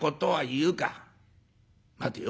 待てよ。